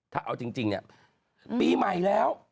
ถ้าเอาจริงเนี่ยปีใหม่แล้ว